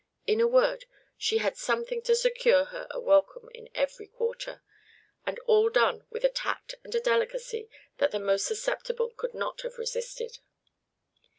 In a word, she had something to secure her a welcome in every quarter, and all done with a tact and a delicacy that the most susceptible could not have resisted.